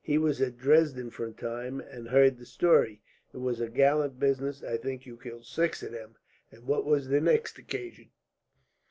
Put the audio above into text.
He was at Dresden for a time, and heard the story. It was a gallant business. I think you killed six of them. And what was the next occasion?"